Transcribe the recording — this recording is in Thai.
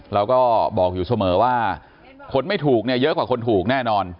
เราก็บอกอยู่เสมอว่าคนไม่ถูกเนี่ยเยอะกว่าคนถูกแน่นอน